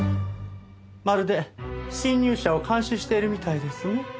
まるで侵入者を監視しているみたいですね。